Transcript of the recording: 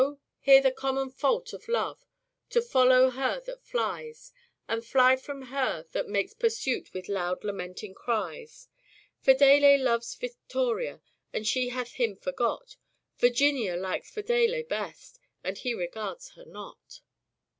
here the common fault of love, to follow her that flies, And fly from her that makes pursuit with loud lamenting cries. Fedele loves Victoria, and she hath him forgot ; Virginia likes Fedele best, and he regards her not."